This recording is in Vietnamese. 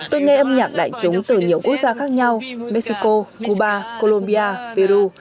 tôi nghe âm nhạc đại chúng từ nhiều quốc gia khác nhau mexico cuba colombia peru